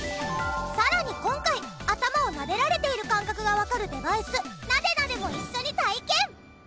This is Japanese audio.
さらに今回頭をなでられている感覚がわかるデバイスｎａｄｅＸｎａｄｅも一緒に体験！